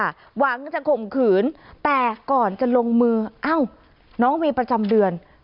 หวังจะข่มขืนแต่ก่อนจะลงมืออ้าวน้องมีประจำเดือน